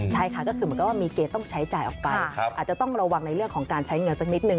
ใช่ค่ะก็คือเหมือนกับว่ามีเกณฑ์ต้องใช้จ่ายออกไปอาจจะต้องระวังในเรื่องของการใช้เงินสักนิดนึ